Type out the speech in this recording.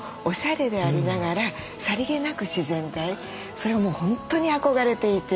それがもう本当に憧れていて。